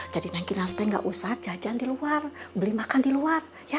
jadi noon kinar teh nggak usah jajan di luar beli makan di luar